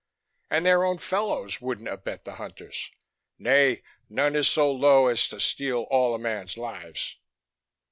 And their own fellows would abet the hunters! Nay, none is so low as to steal all a man's lives."